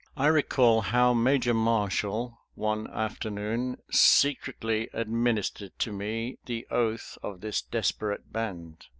I recall how Major Marshall one afternoon secretly administered to me the oath of this desperate band.